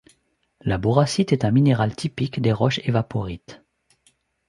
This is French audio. La boracite est un minéral typique des roches évaporites.